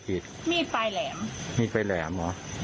กรีดในจูบเขาเลยค่ะ